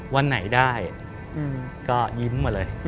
วันไหนได้ก็ยิ้มมาเลย